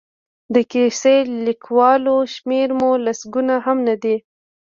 د کیسه لیکوالو شمېر مو لسګونه هم نه دی.